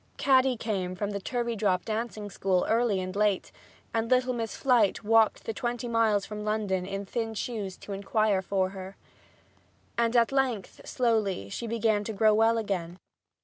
Caddy came from the Turveydrop dancing school early and late, and little Miss Flite walked the twenty miles from London in thin shoes to inquire for her. And at length, slowly, she began to grow well again.